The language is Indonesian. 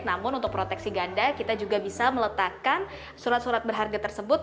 namun untuk proteksi ganda kita juga bisa meletakkan surat surat berharga tersebut